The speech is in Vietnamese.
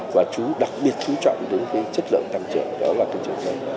và đặc biệt chúng chọn đến cái chất lượng tăng trưởng